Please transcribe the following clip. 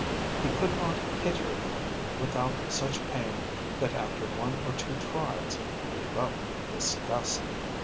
He could not hit her then without such pain that after one or two trials he gave up in disgust.